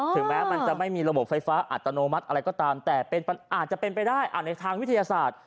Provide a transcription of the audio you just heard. ถึงแม้มันจะไม่มีระบบไฟฟ้าอัตโนมัติอะไรก็ตามแต่อาจจะเป็นไปได้ในทางวิทยาศาสตร์